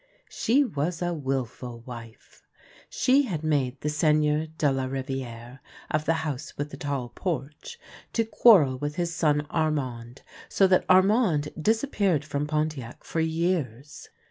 She was a wilful wife. She had made the Seigneur de la Riviere, of the House with the Tall Porch, to quarrel with his son Armand, so that Armand disappeared from Pontiac for years.